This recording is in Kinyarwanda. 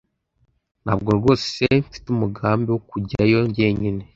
Ntabwo rwose mfite umugambi wo kujyayo jyenyine.